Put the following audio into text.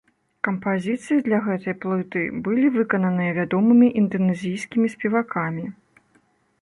Кампазіцыі для гэтай плыты былі выкананыя вядомымі інданэзійскімі спевакамі.